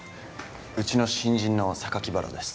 うちの新人の榊原です